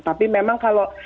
tapi memang kalau